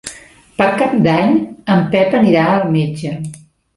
Per Cap d'Any en Pep anirà al metge.